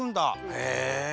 へえ。